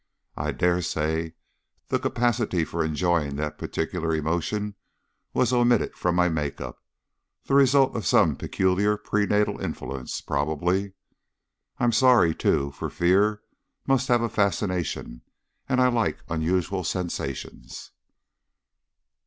I dare say the capacity for enjoying that particular emotion was omitted from my make up the result of some peculiar prenatal influence, probably. I'm sorry, too, for fear must have a fascination and I like unusual sensations."